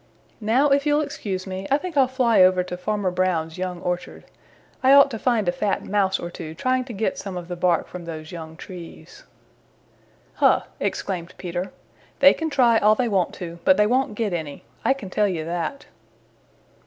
Now if you'll excuse me I think I'll fly over to Farmer Brown's young orchard. I ought to find a fat Mouse or two trying to get some of the bark from those young trees." "Huh!" exclaimed Peter. "They can try all they want to, but they won't get any; I can tell you that."